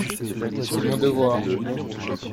C’est mon devoir…